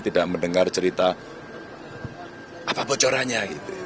tidak mendengar cerita apapun coranya